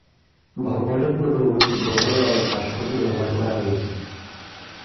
ভবনে পূর্ববর্তী ভবনের অনেক ভাস্কর্য ব্যবহার করা হয়েছে।